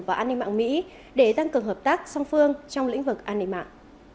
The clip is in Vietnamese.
và an ninh mạng mỹ để tăng cường hợp tác song phương trong lĩnh vực an ninh mạng